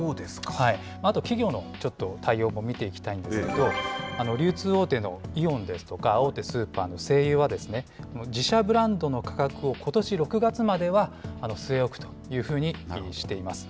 あと、企業のちょっと対応も見ていきたいんですけど、流通大手のイオンですとか、大手スーパーの西友はですね、自社ブランドの価格をことし６月までは据え置くというふうにしています。